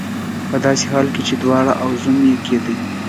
په داسې حال کې چې وراره او زوم یې کېدی.